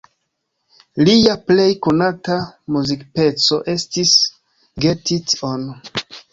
Lia plej konata muzikpeco estis "Get It On".